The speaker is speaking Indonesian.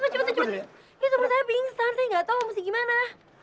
cepet cepet ya temen saya pingsan saya gatau mau mesti gimana